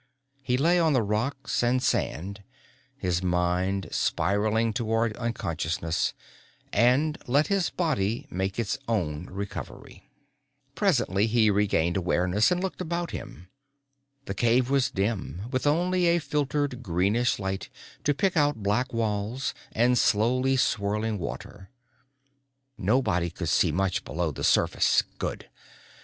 He lay on the rocks and sand, his mind spiraling toward unconsciousness, and let his body make its own recovery. Presently he regained awareness and looked about him. The cave was dim, with only a filtered greenish light to pick out black wall's and slowly swirling water. Nobody could see much below the surface good.